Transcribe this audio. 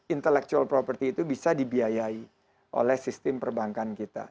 intellectual property itu bisa dibiayai oleh sistem perbankan kita